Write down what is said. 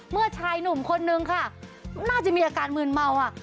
ชายหนุ่มคนนึงค่ะน่าจะมีอาการมืนเมาอ่ะ